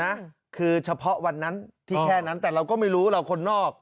นะคือเฉพาะวันนั้นที่แค่นั้นแต่เราก็ไม่รู้เราคนนอก